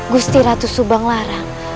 gusti ratu subang larang